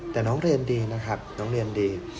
แต่น้องเรียนดีนะครับน้องเรียนดี